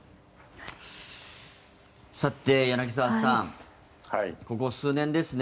さて、柳澤さんここ数年ですね。